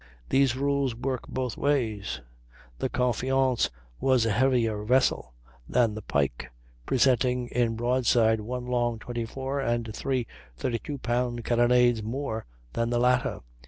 These rules work both ways. The Confiance was a heavier vessel than the Pike, presenting in broadside one long 24 and three 32 pound carronades more than the latter.